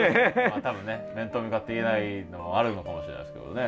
まあ多分ね面と向かって言えないのはあるのかもしれないですけどね。